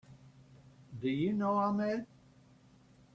Do you know Ahmed?